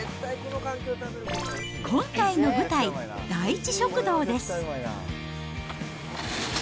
今回の舞台、第一食堂です。